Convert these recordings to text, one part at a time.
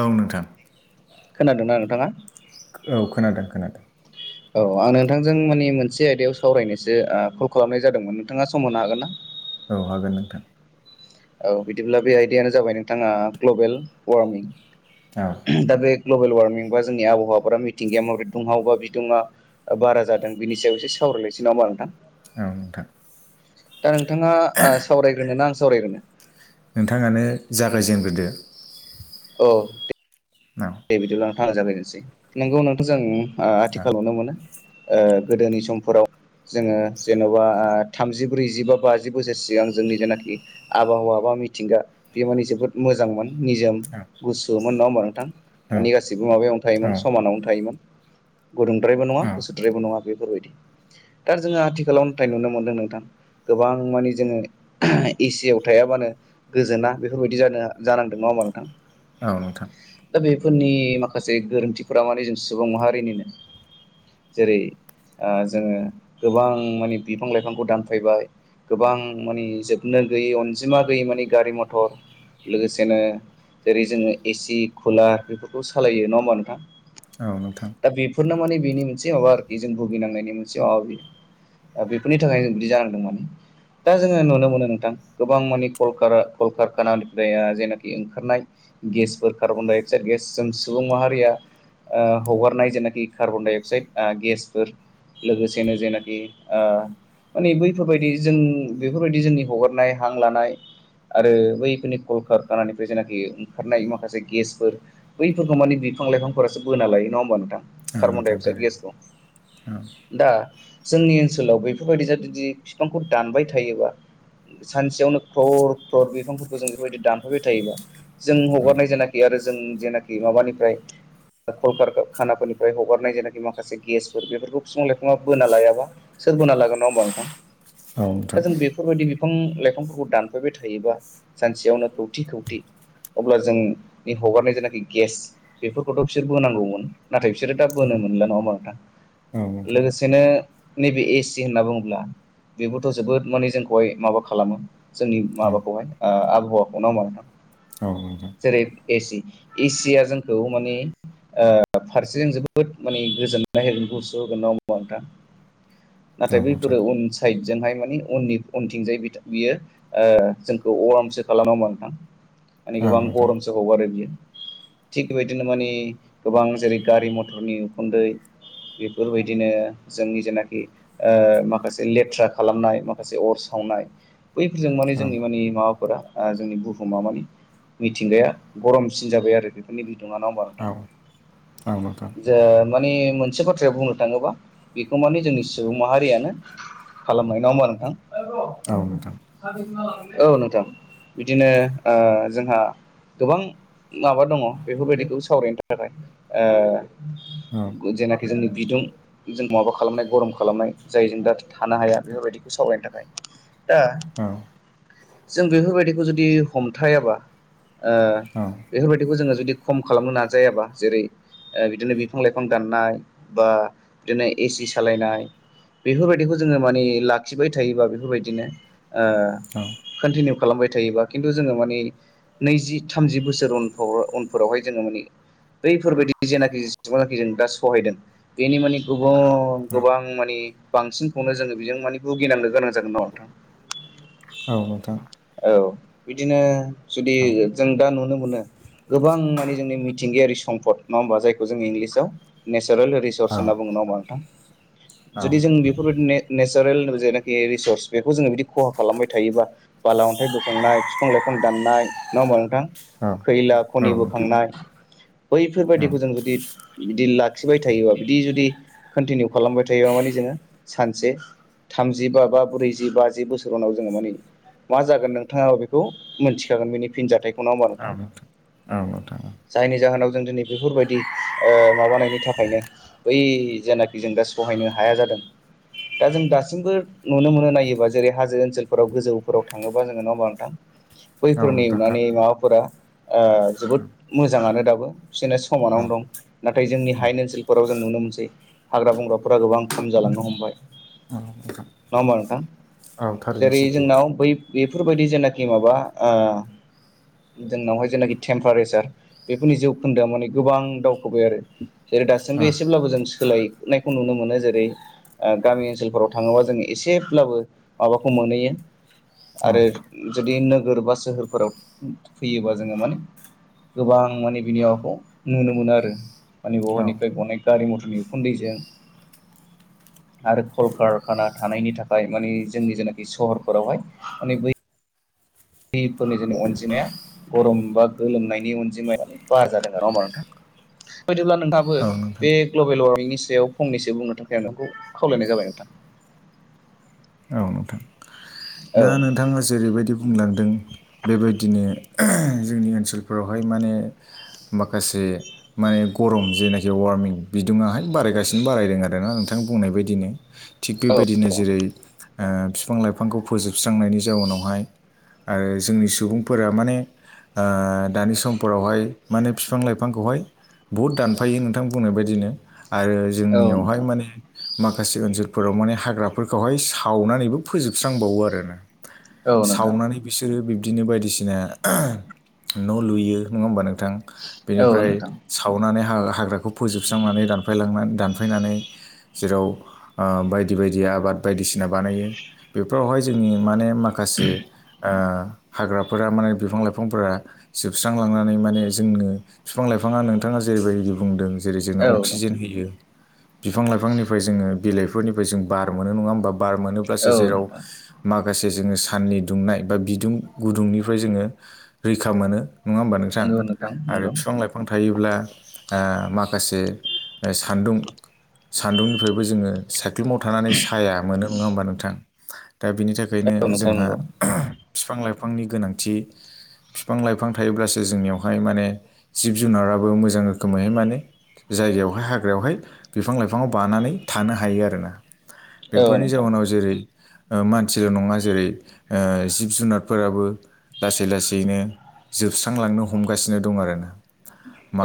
औ नोंथां खोनादोंना नोंथांङा औ खोनादों खोनादों औ आं नोंथांजों माने मोनसे आयदायाव सावरायनोसो ओ कल खालामनाय जादोंमोन नोंथांङा सम मोननो हागोन ना औ हागोन नोंथां औ बिदिब्ला बे आइदियानो जाबाय नोंथांङा ग्लबेल वार्मिं ओ दा बे ग्लबेल वार्मिं बा जोंनि आबहावाफोरा मिथिंगाया माबोरै दुंहावबा बिदुंङा बारा जादों बिनि सायाव एसे सावरायलायसै नामा नोंथां औ नोंथां दा नोंथांङा सावरायग्रोनो ना आं सावरायग्रोनो नोंथांङानो जागायजेनग्रोदो औ दे ना [unintelligible] दे बिदिब्ला नोंथां आं जागायनोसै नोंगौ नोंथां जों औ आथिखालाव नुनो मोनो। ओ गोदोनि समफोराव जोंङो जेन'बा ओ थामजि ब्रैजि बा बाजि बोसोर सिगां जोंनि जेनाखि आबाहावा बा मिथिंगा बे माने जोबोद मोजांमोन। निजोम औ गुसुमोन नंङा होमबा नोंथां औ मानि गासिबो माबायावनो थायोमोन समानावनो थायोमोन। गुदुंद्रायबो नंङा औ गुसुद्रायबो नंङा बेफोरबायदि दा जोंङो आथिखालाव नाथाय नुनो मोनदों नोंथां गोबां मानि जोंङो एसियाव थायाबानो गोजोना बेफोरबायदि जानो जानांदों नंङा होनबा नोंथां औ नोंथां दा बेफोरनि माखासे गोरोनथिफोरा माने जों सुबुं माहारिनिनो जेरै ओ जोंङो गोबां माने बिफां लाइफांखौ दानफायबाय गोबां मानि जोबनो गैयै अनजिमा गोयि माने गारि मथर लोगोसेनो जेरै जोंङो एसि खुलार बेफोरखौ सालायो नंङा होनबा औ नोंथां नोंथां दा बे नो माने बिनि मोनसे माबा आरोखि जों भुगिनांनायनि मोनसे माबा बियो दा बेफोरनि थाखाय जों बिदि जानांदों माने दा जोंङो नुनो मोनो नोंथां गोबां मानि कल कल कारखानानिफ्राय ओ जेनाखि ओंखारनाय गेसफोरखौ कार्बन डाइ अक्साइड गेसजों सुबुं माहारिया ओ हगारनाय जेनाखि कार्बन डाइ अक्साइड गेसफोर लोगोसेनो जेनाखि ओ माने बैफोरबायदि जों बेफोरबायदि जोंनि हगारनाय हां लानाय आरो बैफोरनि कल कारनानिफ्राय जेनाखि ओंखारनाय माखासे गेसफोर बैफोरखौ मानि बिफां लाइफांफोरासो बोना लायो नंङा होमबा नोंथां औ नोंथां कार्बनडाय अक्साइद थारैनो गेसखौ औ दा जोंनि ओनसोलाव बेफोरबायदि जुदि बिफांखौ दानबाय थायोबा। सानसेयावनो ख्लर ख्लर बिफांफोरखौ जों बेफोरबायदि दानफायबाय थायोबा जों औ हगारनाय जेनाखि आरो जों जेनाखि माबानिफ्राय कल खारनाफोरनिफ्राय हगारनाय जेनाखि माखासे गेसफोर बेफोरखौ बिफां लाइफांङा बोना लायाबा सोरबोना लागोन नंङा होमबा औ नोंथां नोंथां दा जों बे बेफोरबायदि बिफां लाइफांफोरखौ दानफायबाय थायोबा सानसेयावनो खौथि खौथि अब्ला जोंनि हगारनाय जेनाखि गेस बेफोरखौथ' बिसोरबो बोनांगौमोन नाथाय बिसोरो दा बोनो मोनला नङा होनबा नोंथां औ नोंथां लोगोसे बिदिनो नैबे एसि होनना बुङोब्ला बेबोथ' जोबोद माने जोंखौहाय माबा खालामो जोंनि माबाखौहाय ओ आबहावाखौ नङा होनबा नोंथां। औ नोंथां। जेरै ए सि ए सि या जोंखौ माने ओ फारसेजों जोबोद माने गोजोननाय होगोन गुसु होगोन नङा होनबा नोंथां। नाथाय बैफोरो उन साइद जोंहाय मानि उननि उनथिंजाय बियो ओ जोंखौ अवार्मसो खालामो नङा होनबा नोंथां। माने गोबां नोंथां गरमसो हगारो बियो थिग बेबायदिनो माने गोबां जेरै गारि मथरनि उखुनदै बेफोर बायदिनो जोंनि जेनाखि ओ माखासे लेथ्रा खालामनाय माखासे अर सावनाय बैफोरजों मानि औ नोंथां औ नोंथां औ जोंनि मानि माबाफोरा आ जोंनि बुहुमा मानि मिथिंगाया गरमसिन जाबाय आरो बेफोरनि बिदुङाव नङा होमबा औ औ नोंथां। ओ माने मोनसे बाथ्राया बुंनो थाङोबा बेखौ माने जोंनि सुबुं माहारियानो खालामबाय नङा होमबा नोंथां। औ [inaudible] औ नोंथां बिदिनो ओ जोंहा गोबां माबा दङ' बेफोर बायदिखौ सावरायनो थाखाय औ ओ जेनाखि जोंनि बिदुं जों माबा खालामनाय गरम खालामनाय जायजों दा थानो हाया बेफोर बायदिखौ सावरायनो थाखाय दा औ। जों बेफोर बायदिखौ जुदि हमथायाबा ओ बेफोर बायदिखौ जोङो जुदि खम खालामनो नाजायाबा जेरै ओ बिदिनो बिफां-लाइफां दाननाय बा बिदिनो एसि सालायनाय बेफोर बायदिखौ जोङो मानि लाखिबाय थायोबा बेफोर बायदिनो ओ कन्टिनिउ खालामबाय थायोबा खिन्थु जोङो माने नैजि थामजि बोसोर उनफ्राव उनफोरावहाय जोङो माने बैफोर बायदि जेनाखि जेसबांनाखि जों दा सहायदों बेनि माने गुबुन गोबां माने बांसिनखौनो जोङो बेजों माने भुगिनांनो गोनां जागोन नङा होमबा नोंथां। औ नोंथां। औ बिदिनो जुदि जों दा नुनो मोनो गोबां माने जोंनि मिथिंगायारि सम्पद नङा होमबा जायखौ जों इंलिसाव नेचारेल सर्स होनना बुङो नङा होमबा नोंथां जुदि जों बेफोर बायदिनो नेचारेल जेनाखि रिसर्स बेखौ जोङो बिदि खहा खालामबाय थायोबा बाला अन्थाइ बोखांनाय फिफां लाइफां दाननाय नङा होमबा नोंथां खैला खनि औ नोंथां बोखांनाय बैफोर औ बायदिखौ जों जुदि बिदि लाखिबाय थायोबा बिदि जुदि कन्टिनिउ खालामबाय थायोबा माने जोङो सानसे थामजिबा बा ब्रैजि बाजि बोसोर उनाव जोङो माने मा जागोन नोंथाङाबो बेखौ मोनथिखागोन बेनि फिनजाथाइखौ औ औ नोंथां औ जायनि जाहोनाव जों दिनै बेफोर बायदि ओ माबानायनि थाखायनो बै जेनाखि जों दा सहायनो हाया जादों दा जों दासिमबो नुनो मोनो नायोबा जेरै हाजो ओनसोलफोराव गोजौफोराव थाङोबा जोङो नङा होमबा नोंथां। औ बैफोरनि नोंथां माने थारैनो औ माबाफोरा आ जोबोद मोजाङानो दाबो बिसोरना समानावनो दं नाथाय जोंनि हायेन औ ओनसोल फोराव जों नुनो मोनसै हाग्रा बंग्राफोरा गोबां खम जालांनो हमबाय। औ नोंथां नङा होमबा नोंथां औ थारैनो जेरै सैथो जोंनाव बै बेफोर बायदि जेनाखि माबा ओ जोंनावहाय जेनाखि टेम्पारेसार बेफोरनि जौखोन्दोआ माने गोबां दावखोबाय आरो जेरै औ दासिमबो एसेब्लाबो जों सोलायनायखौ नुनो मोनो जेरै ओ गामि ओनसोलफोराव थाङोबा जों एसेब्लाबो माबाखौ मोनहैयो औ आरो जुदि नोगोर बा सोहोरफोराव फैयोबा जोंङो माने गोबां माने बिनि माबाखौ नुनो मोनो आरो माने औ बबेनिफ्राय गनाय गारि मथरनि उखुन्दैजों आरो कलकारखाना थानायनि थाखाय मानि जोंनि जेनाखि सहरफोरावहाय माने बै दैफोरनि जोंनि अनजिमाया गरम बा गोलोमनायनि अनजिमाया बारा जादों आरो नंङा होमबा नोंथां बे बायदिब्ला नोंथांङाबो औ नोंथां बे ग्ल'बेल वार्मनि सायाव फंनैसो बुंनो थाखाय आंङो खावालायनाय जाबाय नोंथां औ नोंथां औ दा नोंथांङा जेरैबायदि बुंलांदों बेबायदिनो जोंनि ओनसोलफोरावहाय माने माखासे माने गरम जेनाखि वारमिं बिदुंङाहाय बारायगासिनो बारायदों आरो ना नोंथां बुंनाय बायदिनो। थिग बेबायदिनो जेरै बिफां लाइफांखौ फोजोबस्रांनायनि जाउनावहाय ओ जोंनि सुबुंफोरा माने ओ दानि समफोरावहाय माने बिफां लाइफांखौहाय बहुद दानफायो नोंथां बुंनाय बायदिनो आरो औ जोंनियावहाय नोंथां माने माखासे ओनसोलफोराव माने हाग्राफोरखौहाय साव सावनानैबो फोजोबस्रांबावो आरोना औ नोंथां सावनानै बिसोरो बिबदिनो बायदिसिना न' लुयो नंङा होमबा नोंथां औ बेनिफ्राय नोंथां सावनानै हाग्राखौ फोजोबस्रांनानै दानफायलांनानै दानफायनानै जेराव आ बायदि बायदि आबाद बायदिसिना बानायो बेफोरावहाय जोंनि माने माखासे ओ हाग्राफोरा माने बिफां लाइफांफोरा जोबस्रांलांनानै माने जोंनो बिफां लाइफाङा नोंथांङा जेरैबायदि बुंदों। जेरै जोंनो औ नोंथां अक्सिजेन होयो बिफां लाइफांनिफ्राय जोंङो बिलाइफोरनिफ्राय जों बार मोनो नंङा होमबा बार मोनोब्लासो औ जेराव नोंथां माखासे जोंङो साननि दुंनाय बा बिदुं गुदुंनिफ्राय जोंङो रैखा मोनो नंङा होमबा नोंथां नंगौ आरो बिफां लाइफां बिफां थायोब्ला ओ माखासे सानदुं सानदुंनिफ्रायबो जोंङो साइख्लुमाव थानानै साया मोनो नंङा होमबा नोंथां दा बेनि थाखाय बेखायनो नोंथां जोंहा नंगौ बिफां लाइफांनि गोनांथि बिफां लाइफां थायोब्लासो जोंनियावहाय माने जिब जुनाराबो मोजां रोखोमैहाय माने जायगायावहाय हाग्रायावहाय बिफां लाइफाङाव बानानै थानो हायो आरो औ बेफोरनि नोंथां जाउनाव जेरै मानसिल' नंङा जेरै ओ जिब जुनारफोराबो लासै लासैनो जोबस्रांलांनो हमगासिनो दं आरोना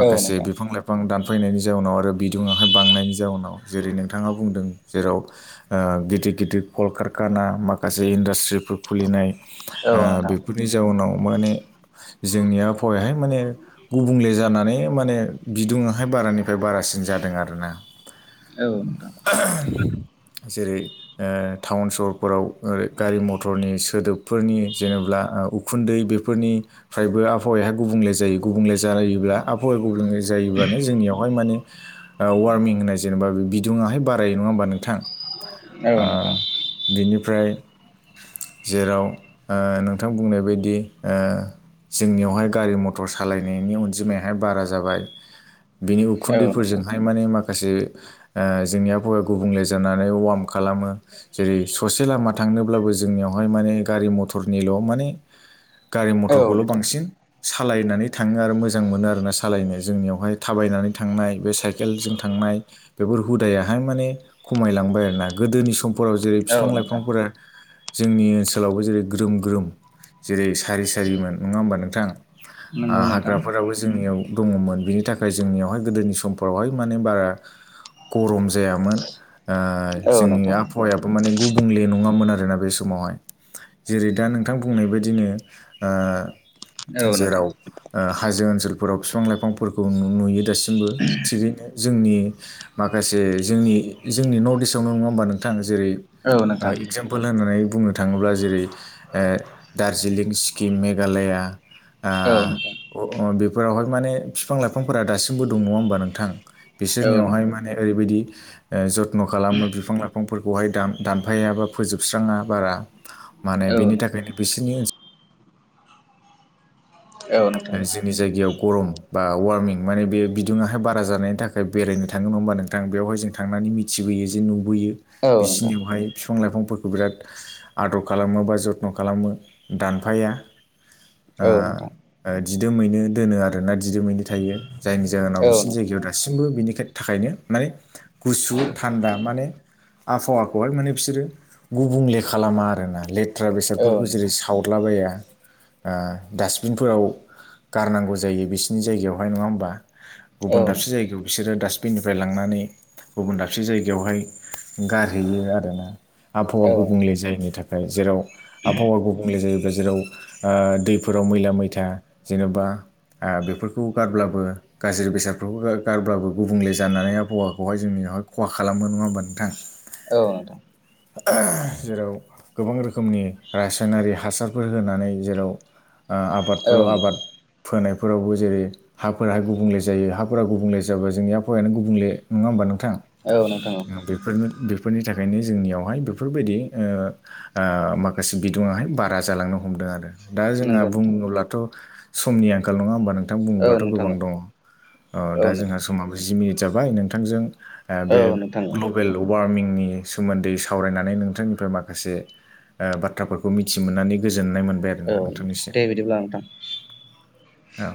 नंगौ औ नोंथां औ नोंथां बिफां लाइफां बिफां दानफैनायनि जाउनाव आरो बिदुुंयाहाय बांनायनि जाउनाव जेरै नोंथांङा बुंदों जेराव ओ गिदिर गिदिर कल कारखाना माखासे इन्डास्ट्रिफोर खुलिनाय औ नोंथां बेफोर बेनि जाउनाव माने जोंनि आबहावायहाय माने गुबुंले जानानै माने बिदुुंयाहाय बारानिफ्राय बारासिन जादों आरोना औ नोंथां औ नोंथां जेरै ओ टाउन सहरफोराव ओ गारि मथरनि सोदोबफोरनि जेनेब्ला उखुनदै बेफोरनिफ्रायबो आबहावाया गुबुंले जायो गुबुंले जायो। जायोब्ला आबहावा गुबुंले जायोब्लानो जोंनियावहाय माने वारमिं होननाय जेनेबा बे बिदुङाहाय बारायो नंङा होमबा नोंथां औ ओ नोंथां बिनिफ्राय जेराव ओ नोंथां बुंनाय बायदि ओ जोंनियावहाय गारि मथर सालायनायनि अनजिमायाहाय बारा जाबाय बिनि औ नोंथां औ नोंथां नंगौ नोंथां उखुनदैफोरजोंहाय माने माखासे जोंनि आबहावाया गुबुंले जानानै ओमफाय वार्म खालामो जेरै ससे लामा थांनोब्लाबो जोंनियावहाय माने गारि मथरनिल' माने औ गारि नोंथां औ नोंथां मथरखौल' बांसिन सालायनानै थाङो आरो मोजां मोनो आरोना सालायनो जोंनियावहाय थाबायनानै थांनाय बे साइ साइकेलजों थांनाय बेफोर हुदायाहाय माने खमाय लां बाय आरोना गोदोनि समफोराव जेरै फिफां लाइफांफोरा जोंनि ओनसोलावबो जेरै ग्रोम-ग्रोम जेरै सारि-सारिमोन नङा होमबा नोंथां। आ हाग्राफोरावबो जोंनियाव दङ'मोन बिनि थाखाय जोंनियावहाय गोदोनि समफोरावहाय माने बारा गरम जायामोन। ओ जोंनि आबहावायाबो माने गुबुंले नङामोन आरोना बे समावहाय जेरै दा नोंथां बुंनाय बायदिनो ओ औ नोंथां जेराव ओ हाजो ओनसोलफोराव फिफां-लाइफांफोरखौ नुयो दासिमबो थिगैनो जोंनि माखासे जोंनि जोंनि नर्थ-इस्टआव नङा होमबा नोंथां जेरै औ नोंथां औ नोंथां औ नोंथां औ नोंथां औ नोंथां इगजामपोल पल होननानै बुंनो थाङोब्ला जेरै ओ दार्जिलिं सिक्किम मेघालया ओ औ नोंथां औ ब बेफोरावहाय माने फिफां-लाइफांफोरा दासिमबो दं नङा होमबा नोंथां। बिसोरनियावहाय माने ओरैबायदि ओ जथ्न' खालामो बिफां लाइफांफोरखौहाय दान दानफायाबा फोजोबस्राङा बारा माने बेनि थाखायनो बिसिनि ओनसोल औ ओ नोंथां। जोंनि जायगायाव गरम बा वार्मिं माने बे बिदुङाहाय बारा जानायनि थाखाय बेरायनो थाङो नङा होनबा नों थां बेवहाय जों थांनानै मिथिबोयो जे नुबोयो बिसिनियावहाय बिफां लाइफांफोरखौ बिराद आदर खालामो बा जथ्न' खालामो दानफाया। ओ औ नोंथां। ओ दिदोमैनो दोनो आरोना दिदोमैनो थायो। जायनि जाहोनाव बिसिनि नोंथां जायगायाव दासिमबो बिनिखाय थाखायनो माने गुसु थान्दा माने आबहावाखौहाय मोने बिसोरो गुबुंले खालामा आरोना लेथ्रा औ बेसादफोरखौ नोंथां जेरै सावदलाबाया आ डासबिनफोराव गारनांगौ जायो बिसिनि जायगायावहाय नङा होमबा। औ गुबुन दाबसे नोंथां जायगायाव बिसोरो डास्बिननिफ्राय लांनानै गुबुन दाबसे जायगायावहाय गारहैयो आरोना। आबहावा औ नोंथां गुबुंले जायैनि थाखाय जेराव आबहावा गुबुंले जायोबा जेराव आ दैफोराव मैला-मैथा जेन'बा ओ बेफोरखौ गारब्लाबो गाज्रि बेसादफोरखौ गा गारब्लाबो गुबुंले जानानै आबहावाखौहाय जोंनियावहाय खहा खालामो नङा होमबा नोंथां। औ नोंथां [inaudible] जेराव गोबां रोखोमनि रासायनारि हासारफोर होनानै जेराव ओ आबाद औ बेफोराव आबाद नोंथां फोनायफोरावबो जेरै हाफोराहाय गुबुंले जायो हाफोरा गुबुंले जाबा जोंनि आबहावायानो गुबुंले नङा होमबा नोंथां। औ नोंथां औ। ओ बेफोरनो बेफोरनि थाखायनो जोंनियावहाय बेफोर बायदि ओ ओ माखासे बिदुुंआहाय बारा जालांनो हमदों आरो। दा जोंहा नंगौ नोंथां बुङोब्लाथ' समनि आंखाल नङा होमबा नोंथां औ बुङोब्लाथ' नोंथां गोबां दङ'। औ ओ दा औ नोंथां जोंहा समाबो जि मिनिट जाबाय नोंथांजों ओ औ बे नोंथां औ ग्लबेल वार्मिंनि सोमोन्दै सावरायनानै नोंथांनिफ्राय माखासे ओ बाथ्राफोरखौ मिथि मोननानै गोजोननाय मोनबाय आरोना नों नोंथां दे बिदिब्ला नोंथां। औ।